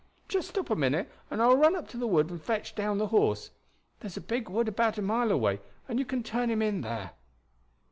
Just stop a minute and I will run up to the wood and fetch down the horse. There's a big wood about a mile away, and you can turn him in there."